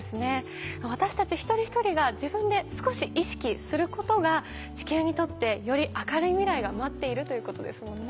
私たち一人一人が自分で少し意識することが地球にとってより明るい未来が待っているということですもんね。